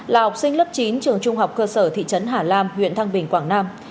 là học sinh lớp chín trường trung học cơ sở thị trấn hà lam huyện thăng bình quảng nam